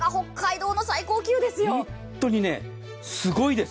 本当にすごいです。